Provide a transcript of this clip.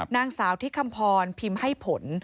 นางสาวที่คำพรพิมพ์ให้ผล